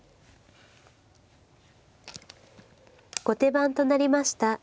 後手番となりました